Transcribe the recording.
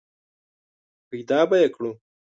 پیدا به یې کړو !